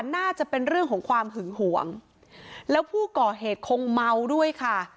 น่าจะเป็นเรื่องของความหึงห่วงแล้วผู้ก่อเหตุคงเมาด้วยค่ะ